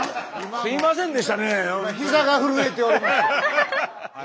すいませんでしたね。